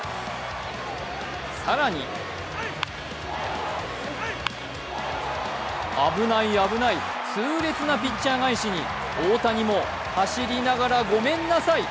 更に危ない、危ない痛烈なピッチャー返しに大谷も走りながらごめんなさい。